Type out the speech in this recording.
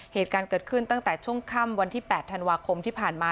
เหตุการณ์เกิดขึ้นตั้งแต่ช่วงค่ำวันที่๘ธันวาคมที่ผ่านมา